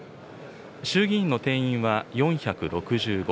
衆議院の定員は４６５。